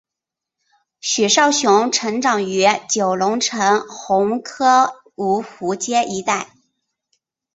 许绍雄成长于九龙城红磡芜湖街一带。